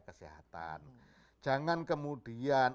kesehatan jangan kemudian